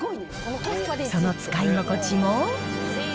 その使い心地も。